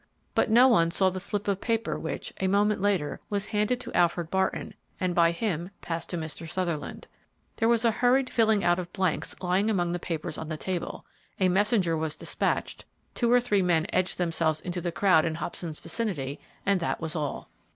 But no one saw the slip of paper which, a moment later, was handed to Alfred Barton, and by him passed to Mr. Sutherland. There was a hurried filling out of blanks lying among the papers on the table, a messenger was despatched, two or three men edged themselves into the crowd in Hobson's vicinity, and that was all!